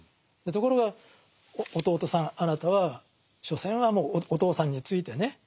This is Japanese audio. ところが弟さんあなたは所詮はもうお父さんについてね